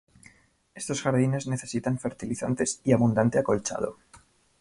Estos jardines necesitan fertilizantes y abundante acolchado.